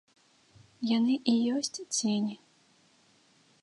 Яны і ёсць цені.